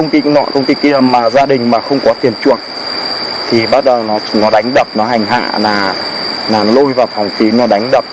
nếu như mà mình không có tiền chuộc thì sẽ bị bán sang đảo khác và bị đánh đập